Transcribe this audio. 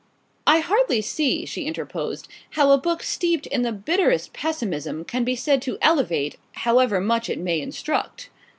"I hardly see," she interposed, "how a book steeped in the bitterest pessimism can be said to elevate however much it may instruct."